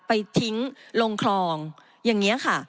ไปทิ้งลงครอง